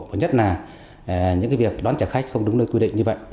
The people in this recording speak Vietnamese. và nhất là những việc đón trả khách không đúng nơi quy định như vậy